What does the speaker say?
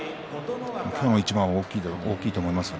今日の一番は大きいと思います。